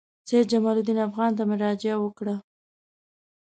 سید جمال الدین افغاني ته مراجعه وکړه.